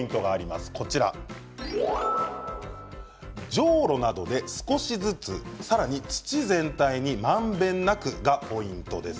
じょうろなどで少しずつさらに、土全体にまんべんなくがポイントです。